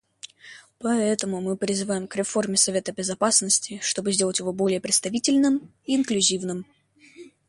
Поэтому мы призываем к реформе Совета Безопасности, чтобы сделать его более представительным и инклюзивным.